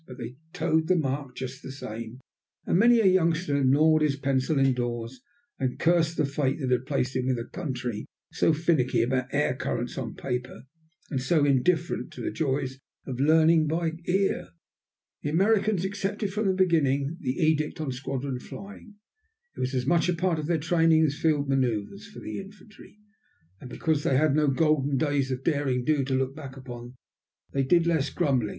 But they toed the mark just the same, and many a youngster gnawed his pencil indoors and cursed the fate that had placed him with a country so finicky about air currents on paper and so indifferent to the joys of learning by ear. The Americans accepted from the beginning the edict on squadron flying. It was as much a part of their training as field manœuvres for the infantry. And because they had no golden days of derring do to look back upon, they did less grumbling.